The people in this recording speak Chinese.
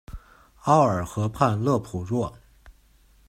奥尔河畔勒普若。